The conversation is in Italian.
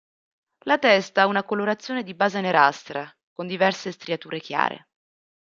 La testa ha una colorazione di base nerastra con diverse striature chiare.